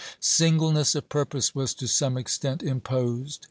Singleness of purpose was to some extent imposed.